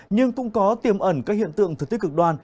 nhưng cũng có tiềm ẩn các hiện tượng thực tích cực đoan